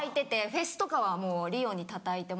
フェスとかはもうＲＩＯにたたいてもらって。